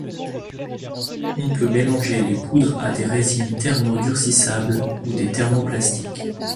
On peut mélanger les poudres à des résines thermodurcissables ou des thermoplastiques.